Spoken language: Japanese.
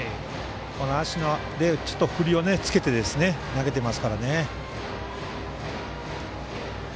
足の振りをつけて投げてますからね。